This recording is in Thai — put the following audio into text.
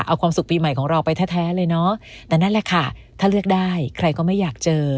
เอาความสุขปีใหม่ของเราไปแท้เลยเนาะแต่นั่นแหละค่ะถ้าเลือกได้ใครก็ไม่อยากเจอ